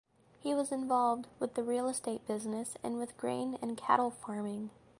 He was involved with the real estate business and with grain and cattle farming.